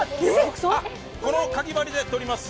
このかぎ針でとります。